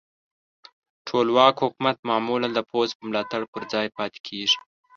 ټولواک حکومت معمولا د پوځ په ملاتړ پر ځای پاتې کیږي.